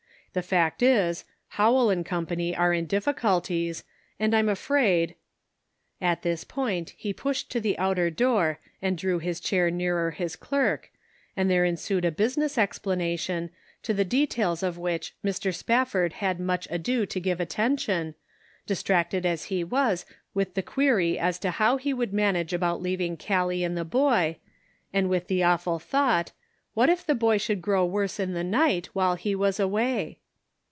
The fact is, Howell & Co. are in diffi culties, and I'm afraid —" At this point he pushed to the outer door and drew his chair nearer his clerk, and there ensued a business explanation, to the details of which Mr. Spaf ford had much ado to give attention, distracted as he was with the query as to how he would 386 The Pocket Measure. manage about leaving Gallic and the boy, and with the awful thought, what if the boy should grow worse in the night while he was away